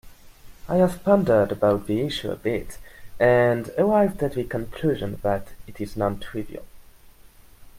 I have pondered about the issue a bit and arrived at the conclusion that it is non-trivial.